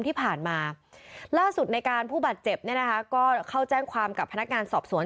ที่ผ่านมาล่าสุดในการผู้บาดเจ็บเนี่ยนะคะก็เข้าแจ้งความกับพนักงานสอบสวน